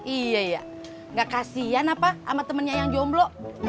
iya iya nggak kasihan apa sama temennya yang jomblo